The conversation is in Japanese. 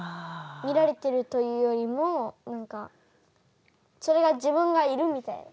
見られてるというよりも何かそれが自分がいるみたいな。